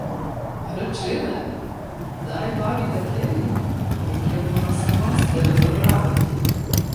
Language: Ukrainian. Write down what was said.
— Гречине! Дай бабі таке віно, яке вона сама з тебе заправить!